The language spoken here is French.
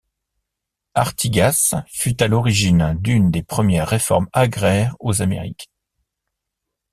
Artigas fut à l'origine d'une des premières réformes agraires aux Amériques.